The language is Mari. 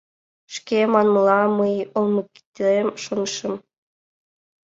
— Шке манмыла, мый олмыктем, шонышым.